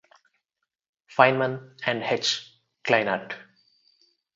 Feynman and H. Kleinert.